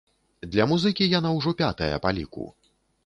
Для музыкі яна ўжо пятая па ліку.